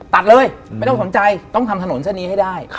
ตัดเลยไม่ต้องสนใจต้องทำถนนเส้นนี้ให้ได้